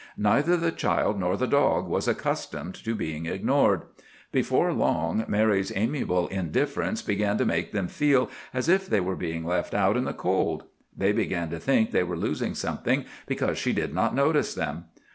Neither the child nor the dog was accustomed to being ignored. Before long Mary's amiable indifference began to make them feel as if they were being left out in the cold. They began to think they were losing something because she did not notice them.